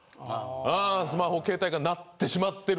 ああスマホ携帯が鳴ってしまってる。